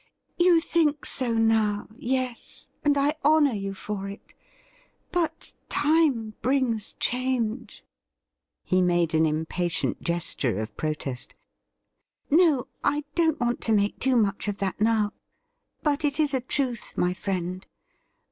' You think so now — yes, and I honour you for it ; but Time brings change.' He made an impatient gesture of protest. ' No, I don't want to make too much of that now ; but it is a truth, my friend.